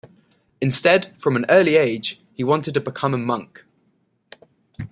Instead, from an early age, he wanted to become a monk.